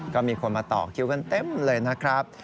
ก็มีคนมาต่อคิวกันเต็มเลยนะครับ